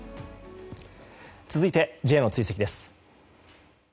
続いて、Ｊの追跡です。